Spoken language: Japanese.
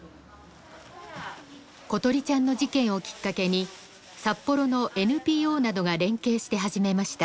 詩梨ちゃんの事件をきっかけに札幌のＮＰＯなどが連携して始めました。